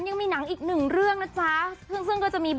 นี่ไงน่ารักเฟย์เชอรี่